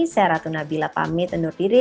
saya ratu nabila pamit undur diri